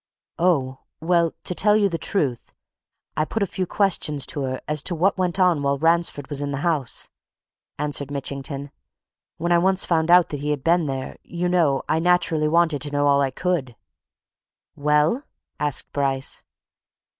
"Oh, well, to tell you the truth, I put a few questions to her as to what went on while Ransford was in the house," answered Mitchington. "When I'd once found that he had been there, you know, I naturally wanted to know all I could." "Well?" asked Bryce.